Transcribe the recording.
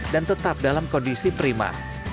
dan tetap dalam kondisi prima